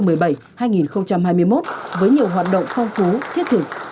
giữa hai quốc hội giai đoạn hai nghìn một mươi bảy hai nghìn hai mươi một với nhiều hoạt động phong phú thiết thực